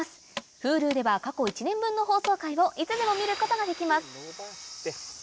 Ｈｕｌｕでは過去１年分の放送回をいつでも見ることができます